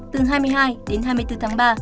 từ hai mươi hai đến hai mươi bốn tháng ba